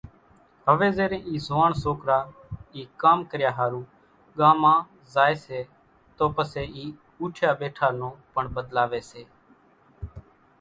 هويَ زيرين اِي زوئاڻ سوڪرا اِي ڪام ڪريا ۿارُو ڳامان زائيَ سيَ تو پسيَ اِي اوٺِيا ٻيٺا نون پڻ ٻۮلاوِي سي۔